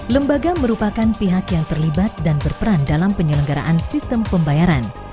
lembaga merupakan pihak yang terlibat dan berperan dalam penyelenggaraan sistem pembayaran